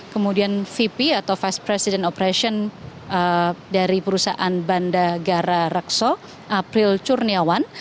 kemudian vp atau vice president operation dari perusahaan bandagara rekso april curniawan